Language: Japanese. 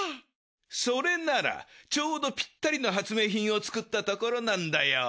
それならちょうどぴったりの発明品を作ったところなんだよ。